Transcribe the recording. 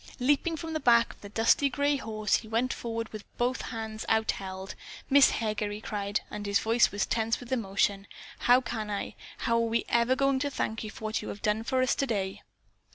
Leaping from the back of the dusty gray horse, he went forward with both hands outheld. "Miss Heger," he cried, and his voice was tense with emotion, "how can I, how are we ever going to thank you for what you have done for us today?"